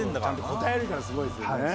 応えるからすごいですね。